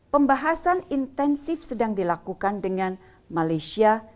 pembahasan intensif sedang dilakukan dengan malaysia